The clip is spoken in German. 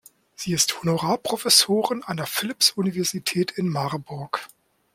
Sie ist Honorarprofessorin an der Philipps-Universität in Marburg.